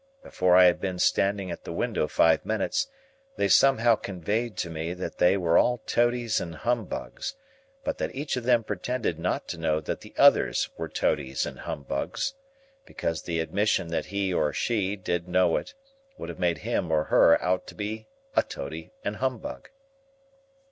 Before I had been standing at the window five minutes, they somehow conveyed to me that they were all toadies and humbugs, but that each of them pretended not to know that the others were toadies and humbugs: because the admission that he or she did know it, would have made him or her out to be a toady and humbug.